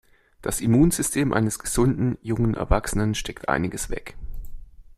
Das Immunsystem eines gesunden, jungen Erwachsenen steckt einiges weg.